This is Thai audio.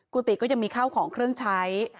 กุฏิก็ยังมีข้าวของเครื่องใช้